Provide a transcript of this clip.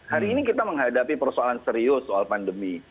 hari ini kita menghadapi persoalan serius soal pandemi